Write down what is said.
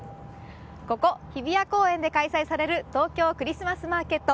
ここ、日比谷公園で開催される東京クリスマスマーケット。